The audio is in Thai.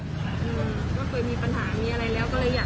ก็เคยมีปัญหามีอะไรแล้ว